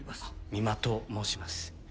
三馬と申します。